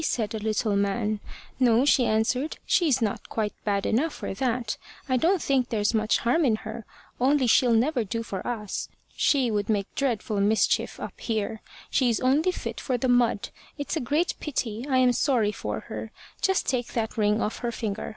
said the little man. `No,' she answered; `she's not quite bad enough for that. I don't think there's much harm in her; only she'll never do for us. She would make dreadful mischief up here. She's only fit for the mud. It's a great pity. I am sorry for her. Just take that ring off her finger.